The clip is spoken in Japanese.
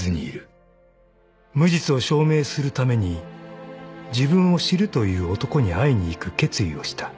［無実を証明するために自分を知るという男に会いに行く決意をした］